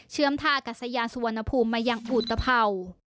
เชื่อมท่ากับสายพัทยาสุวรรณภูมิมาอย่างอุตเผ่า